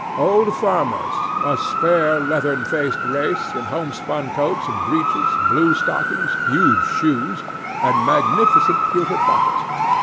Old farmers, a spare leathern faced race, in homespun coats and breeches, blue stockings, huge shoes, and magnificent pewter buckles.